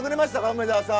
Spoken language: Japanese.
梅沢さん。